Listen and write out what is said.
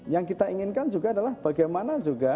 yang kita inginkan juga adalah bagaimana juga